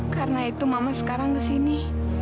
karena itu mama sekarang kesini